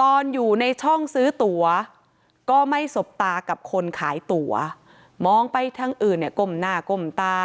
ตอนอยู่ในช่องซื้อตั๋วก็ไม่สบตากับคนขายตั๋วมองไปทางอื่นเนี่ยก้มหน้าก้มตา